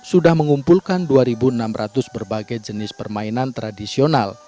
sudah mengumpulkan dua enam ratus berbagai jenis permainan tradisional